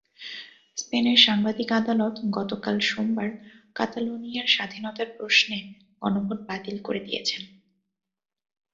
স্পেনের সাংবিধানিক আদালত গতকাল সোমবার কাতালোনিয়ার স্বাধীনতার প্রশ্নে গণভোট বাতিল করে দিয়েছেন।